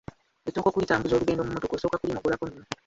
Etooke okulitambuza olugendo mu mmotoka osooka kulimogolako minwe.